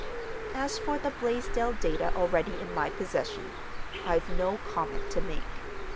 As for the Blaisdell data already in my possession—I've no comment to make.